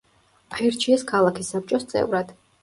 აირჩიეს ქალაქის საბჭოს წევრად.